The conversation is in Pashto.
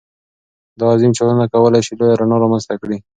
دا عظيم چاودنه کولی شي لویه رڼا رامنځته کړي.